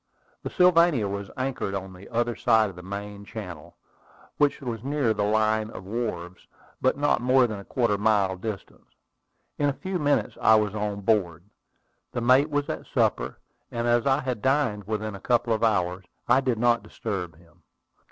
The Sylvania was anchored on the other side of the main channel, which was near the line of wharves, but not more than a quarter of a mile distant. In a few minutes I was on board. The mate was at supper; and as I had dined within a couple of hours, I did not disturb him.